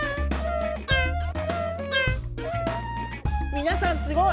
みなさんすごい！